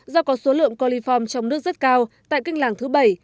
do có số lượng coliform trong nước rất cao tại kênh làng thứ bảy